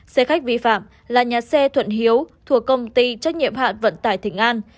xe khách vi phạm là nhà xe thuận hiếu thuộc công ty trách nhiệm hạn vận tải thịnh an